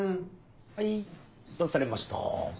はいどうされました？